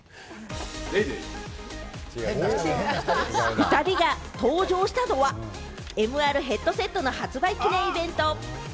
２人が登場したのは、ＭＲヘッドセットの発売記念イベント。